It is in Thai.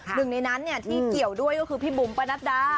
หนึ่งในนั้นที่เกี่ยวด้วยก็คือพี่บุ๋มปะนัดดา